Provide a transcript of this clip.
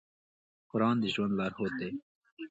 قرآن د ژوند لارښود دی.